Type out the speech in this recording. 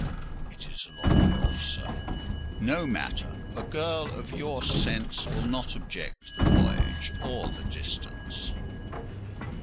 "It is a long way off, sir." "No matter—a girl of your sense will not object to the voyage or the distance."